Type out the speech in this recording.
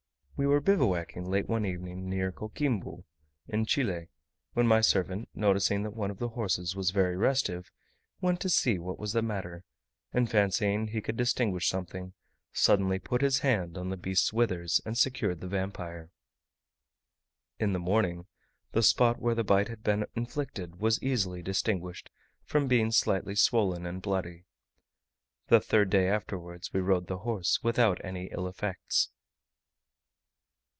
We were bivouacking late one evening near Coquimbo, in Chile, when my servant, noticing that one of the horses was very restive, went to see what was the matter, and fancying he could distinguish something, suddenly put his hand on the beast's withers, and secured the vampire. In the morning the spot where the bite had been inflicted was easily distinguished from being slightly swollen and bloody. The third day afterwards we rode the horse, without any ill effects.